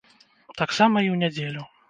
Таксама і ў нядзелю.